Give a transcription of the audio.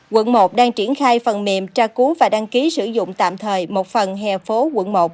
quận một đang triển khai phần mềm tra cú và đăng ký sử dụng tạm thời một phần hè phố quận một